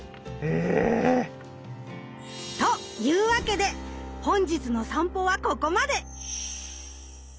え！というわけで本日のさんぽはここまで！